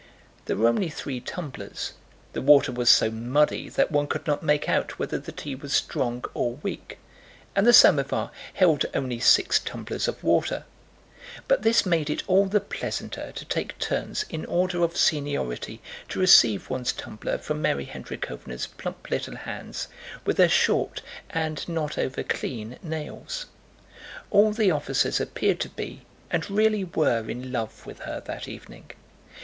There were only three tumblers, the water was so muddy that one could not make out whether the tea was strong or weak, and the samovar held only six tumblers of water, but this made it all the pleasanter to take turns in order of seniority to receive one's tumbler from Mary Hendríkhovna's plump little hands with their short and not overclean nails. All the officers appeared to be, and really were, in love with her that evening.